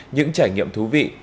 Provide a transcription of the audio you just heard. những trải nghiệm thú vị